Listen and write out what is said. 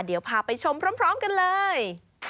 เดี๋ยวพาไปชมพร้อมกันเลย